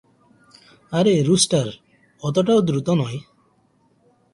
আরে, রুস্টার, অতটাও দ্রুত নয়!